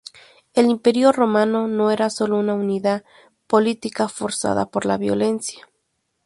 El Imperio romano no era sólo una unidad política forzada por la violencia.